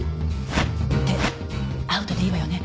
でアウトでいいわよね？